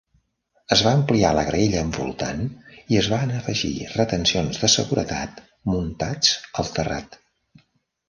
Es va ampliar la graella envoltant, i es van afegir retencions de seguretat muntats al terrat.